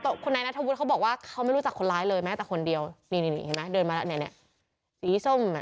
ตอนนี้ผมยังไม่เลิกผมโดนเรื่องอะไร